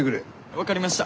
分かりました。